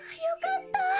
よかった！